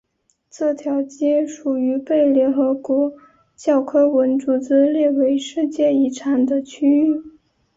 这条街属于被联合国教科文组织列为世界遗产的区域。